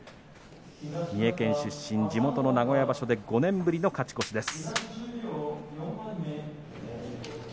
三重県出身、地元の名古屋場所で５年ぶりの勝ち越しです。